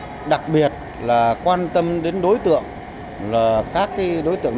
là các người dân đặc biệt là quan tâm đến đối tượng là các người dân đặc biệt là quan tâm đến đối tượng